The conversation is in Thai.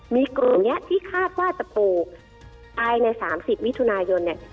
มีกลุ่มนี้ที่คาดว่าจะปลูกภายใน๓๐มิถุนายนเนี่ย